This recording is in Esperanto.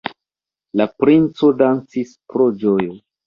La princo dancis pro ĝojo.